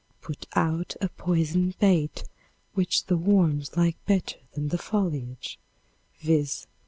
Put out a poisoned bait which the worms like better than the foliage, viz.